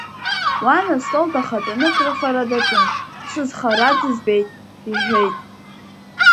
Уан астол дахатәаны акрыфара даҿын, сызхара дызбеит, — иҳәеит.